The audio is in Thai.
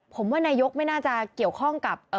ผมว่านายกไม่น่าจะเกี่ยวข้องกับ